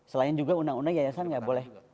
selain juga undang undang yayasan nggak boleh